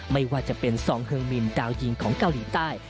ไม่ว่าจะเป็นซองเฮืองมินดาวยิงของเกาหลีใต้